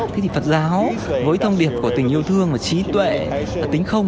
thế thì phật giáo với thông điệp của tình yêu thương và trí tuệ và tính không